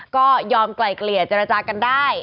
ก็ยอมไกลเกลี่ยเจรจากันได้